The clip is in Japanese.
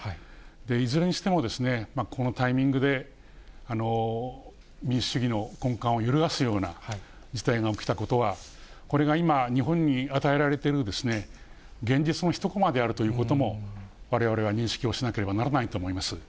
いずれにしても、このタイミングで民主主義の根幹を揺るがすような事態が起きたことは、これが今、日本に与えられている現実の一こまであるということもわれわれは認識をしなければならないと思います。